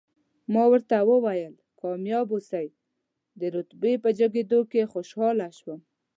ما ورته وویل، کامیاب اوسئ، د رتبې په جګېدو دې خوشاله شوم.